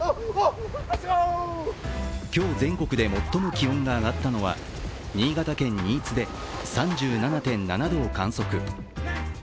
今日、全国で最も気温が上がったのは新潟県新津で３７．７度を観測。